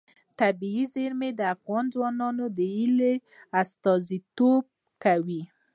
طبیعي زیرمې د افغان ځوانانو د هیلو استازیتوب کوي.